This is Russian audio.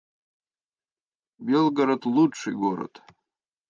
Белгород — лучший город